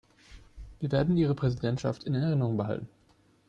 Wir werden Ihre Präsidentschaft in Erinnerung behalten.